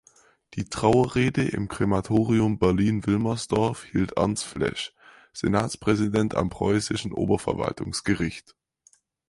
Die Trauerrede im Krematorium Berlin-Wilmersdorf hielt Ernst Felsch, Senatspräsident am Preußischen Oberverwaltungsgericht.